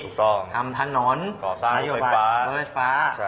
ถูกต้องทำถนนนโยบัติเวอร์ไฟฟ้า